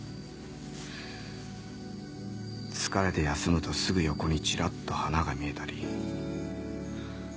疲れて休むとすぐ横にちらっと花が見えたり。